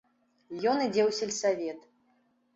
Ён ідзе ў сельсавет.